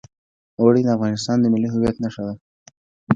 اوړي د افغانستان د ملي هویت نښه ده.